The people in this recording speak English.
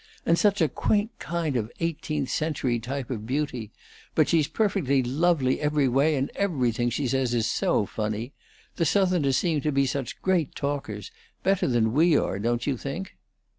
And such a quaint kind of eighteenth century type of beauty! But she's perfectly lovely every way, and everything she says is so funny. The Southerners seem to be such great talkers; better than we are, don't you think?"